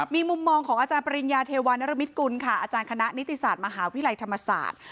มีมุมมองของอาจารย์ปริญญาเทวานรมิตกุลค่ะอาจารย์คณะนิติศาสตร์มหาวิทยาลัยธรรมศาสตร์